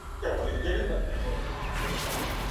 Oh, it’s just glorious to think of it.